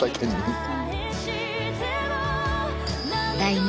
来年？